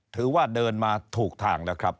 ถือว่าเดินมาถูกทางแล้วครับ